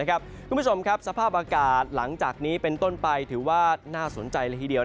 คุณผู้ชมครับสภาพอากาศหลังจากนี้เป็นต้นไปถือว่าน่าสนใจละทีเดียว